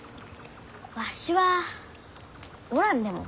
わしはおらんでも。